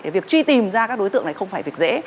việc truy tìm ra các đối tượng này không phải việc dễ